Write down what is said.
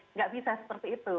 nggak bisa seperti itu